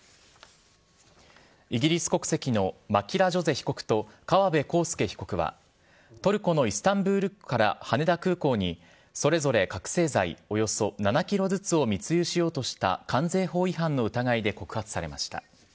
イギリス国籍のマキラ・ジョゼ被告と川辺康介被告は、トルコのイスタンブールから羽田空港に、それぞれ覚醒剤およそ７キロずつを密輸しようとした関税法違反の疑いで告発されました。